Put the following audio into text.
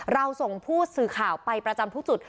เราส่งผู้สื่อข่าวไปประจำทุกจุด